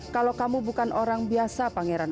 kalau kamu bukan orang biasa pangeran